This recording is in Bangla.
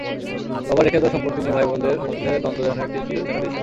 বাবার রেখে যাওয়া সম্পত্তি নিয়ে ভাইবোনদের মধ্যে দ্বন্দ্ব যেন একটি চিরচেনা দৃশ্য।